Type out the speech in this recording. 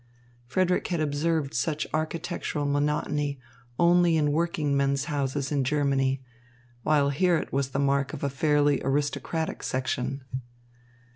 Frederick had observed such architectural monotony only in workingmen's houses in Germany, while here it was the mark of a fairly aristocratic section.